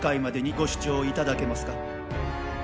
ご主張いただけますか？